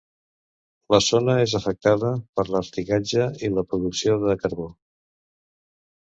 La zona és afectada per l'artigatge i la producció de carbó.